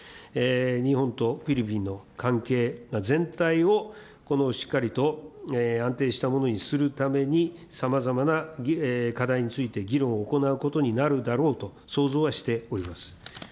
日本とフィリピンの関係、全体をこのしっかりと安定したものにするために、さまざまな課題について議論を行うことになるだろうと、想像はしております。